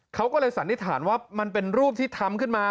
เขาก็เลยสันนิษฐานว่ามันเป็นรูปที่ทำขึ้นมา